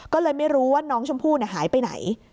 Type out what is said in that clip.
ก็เลยไม่รู้ว่าน้องชมพู่หายไปไหน